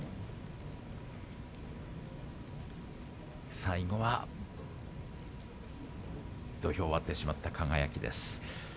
最後は土俵を割ってしまった輝です。